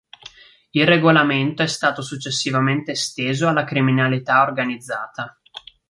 Il regolamento è stato successivamente esteso alla criminalità organizzata.